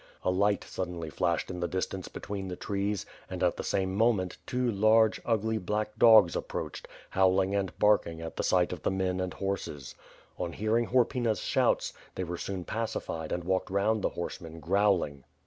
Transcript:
A light suddenly flashed in thw distance between the trees and, at the same moment, two large, ugly black dogs approached, howling and barking at the sight of the men and horses. On hearing Horpyna's shouts, they were soon pacified and walked round the horsemen growling.